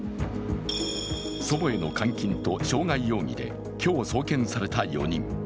祖母への監禁と傷害容疑で今日、送検された４人。